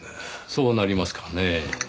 そうなりますかねぇ。